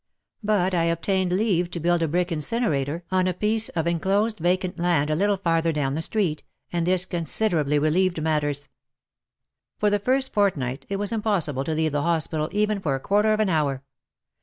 But I obtained leave to build a brick incinerator on a 128 WAR AND WOMEN piece of enclosed vacant land a little farther down the street, and this considerably relieved matters. For the first fortnight it was impossible to leave the hospital even for a quarter of an hour.